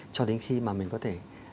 cho đến khi mà mình có thể